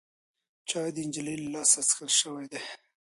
چای د نجلۍ له لاسه څښل شوی دی.